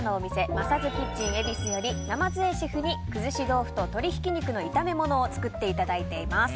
マサズキッチン恵比寿より鯰江シェフにくずし豆腐と鶏ひき肉の炒め物を作っていただいています。